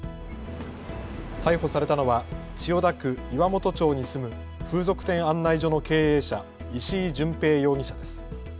逮捕されたのは千代田区岩本町に住む風俗店案内所の経営者、石井純平容疑者です。